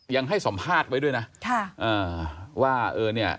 ยังให้สัมภาษณ์ไว้ด้วยนะว่าเนี่ย